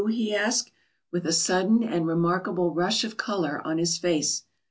_" he asked, with a sudden and remarkable rush of colour on his face.